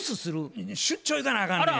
出張行かなあかんねや。